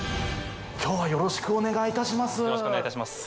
今日はよろしくお願いいたします。